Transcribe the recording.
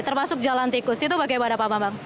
termasuk jalan tikus itu bagaimana pak bambang